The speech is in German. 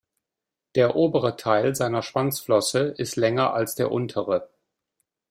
Der obere Teil seiner Schwanzflosse ist länger als der untere.